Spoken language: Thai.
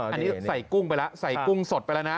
อันนี้ใส่กุ้งไปแล้วใส่กุ้งสดไปแล้วนะ